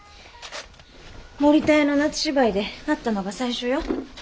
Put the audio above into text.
森田屋の夏芝居で会ったのが最初よ。